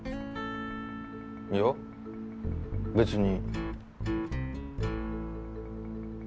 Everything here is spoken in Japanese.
いや別に。